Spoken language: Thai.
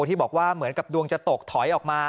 ที่บอกว่าเหมือนกับดวงจะตกถอยออกมา